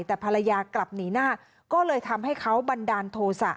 แต่ภรรยากลับหนีหน้าก็เลยทำให้เขาบันดาลโทษะ